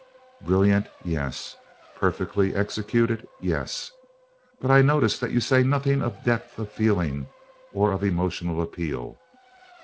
"Brilliant yes. Perfectly executed yes. But I notice that you say nothing of depth of feeling or of emotional appeal."